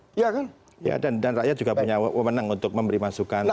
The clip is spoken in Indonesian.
pun jadi pilih oleh rakyat baik ya kan ya dan rakyat juga punya wawonan untuk memberi masukan